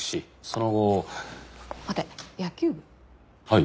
はい。